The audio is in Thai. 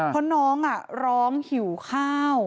เพราะน้องร้องหิวข้าว